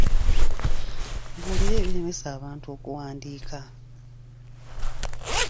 Mbuulira ebiremesa abantu okuwwandiika.